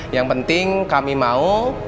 yang penting kami mau